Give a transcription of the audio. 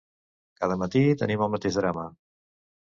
Cada matí tenim el mateix drama.